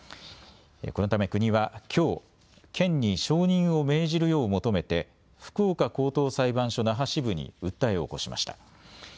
このため国は、きょう県に承認を命じるよう求めて福岡高等裁判所那覇支部に訴えを起こしました。